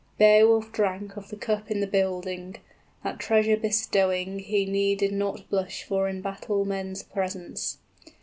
Beowulf drank of The cup in the building; that treasure bestowing 35 He needed not blush for in battle men's presence.